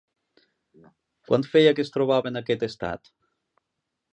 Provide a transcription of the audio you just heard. Quant feia que es trobava en aquest estat?